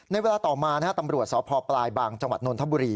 เวลาต่อมาตำรวจสพปลายบางจังหวัดนนทบุรี